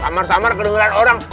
samar samar kedengaran orang